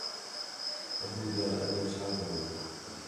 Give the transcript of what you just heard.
ابو ٻِیال ان٘ڄیاں چَھا کرو